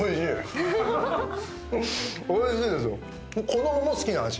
おいしいです。